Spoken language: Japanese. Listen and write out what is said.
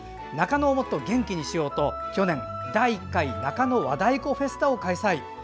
中野をもっと元気にしようと去年第１回中野和太鼓フェスタを開催。